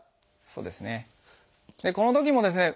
そうですね。